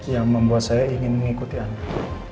yang membuat saya ingin mengikuti anak